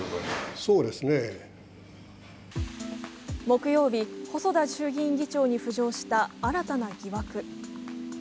木曜日、細田衆議院議長に浮上した新たな疑惑。